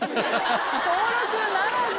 登録ならず。